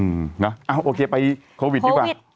อืมนะโอเคไปโควิดดีกว่าโควิด